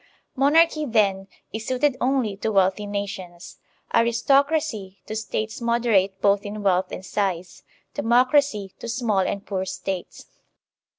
Monarchy, then, is suited only to wealthy nations; aristocracy, to States moderate both in wealth and size; democracy, to small and poor States.